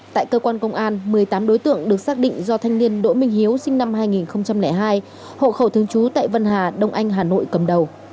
tại cơ quan công an một mươi tám đối tượng được xác định do thanh niên đỗ minh hiếu sinh năm hai nghìn hai hộ khẩu thương chú tại vân hà đông anh hà nội cầm đầu